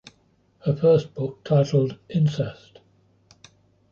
Her first book, titled “Incest”.